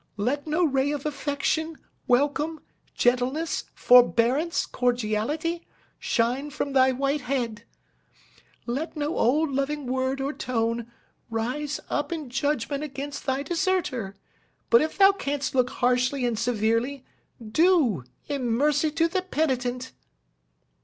Let no ray of affection, welcome, gentleness, forbearance, cordiality, shine from thy white head. Let no old loving word, or tone, rise up in judgment against thy deserter; but if thou canst look harshly and severely, do, in mercy to the Penitent!"